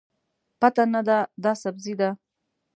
پته نه ده، دا سبزي ده.